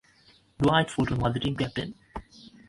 Dwight Fulton was the team captain.